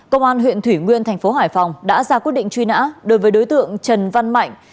công an huyện thủy nguyên thành phố hải phòng đã ra quyết định truy nã đối với đối tượng trần văn mạnh